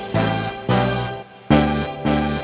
เพื่อนที่อยากเห็นมันคือ